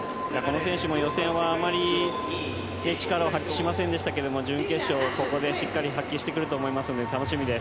この選手も予選はあんまり力を発揮しませんでしたけど準決勝、ここでしっかり発揮してくると思いますので楽しみです。